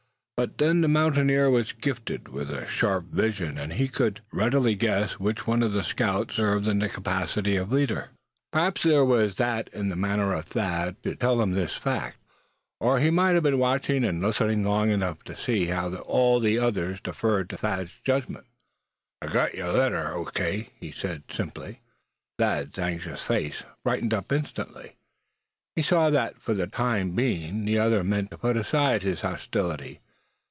But then the mountaineer was gifted with a sharp vision, and he could readily guess which one of the scouts served in the capacity of leader. Perhaps there was that in the manner of Thad to tell him this fact. Or he might have been watching and listening long enough to see how the others all deferred to Thad's judgment. "I gut yer letter O. K.," he said, simply. Thad's anxious face brightened up instantly; he saw that for the time being the other meant to put aside his hostility.